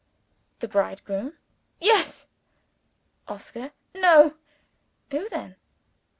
"The bridegroom?" "Yes." "Oscar?" "No." "Who then?"